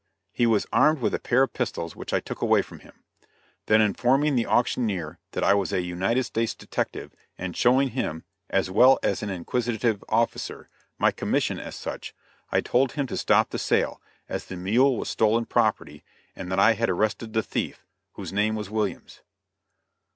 He was armed with a pair of pistols, which I took away from him. Then informing the auctioneer that I was a United States detective, and showing him as well as an inquisitive officer my commission as such, I told him to stop the sale, as the mule was stolen property, and that I had arrested the thief, whose name was Williams.